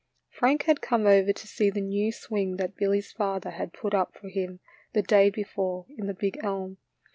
Frank had come over to see the new swing that Billy's father had put up for him the day before in the big elm.